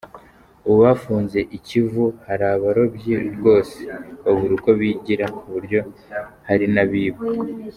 Ubu bafunze Ikivu hari abarobyi rwose Babura uko bigira ku buryo hari n’abiba.